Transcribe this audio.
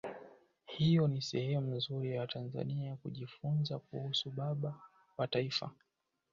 hiyo ni sehemu nzuri ya watanzania kujifunza kuhusu baba wa taifa